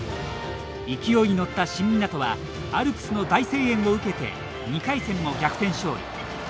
勢いに乗った新湊はアルプスの大声援を受けて２回戦も逆転勝利。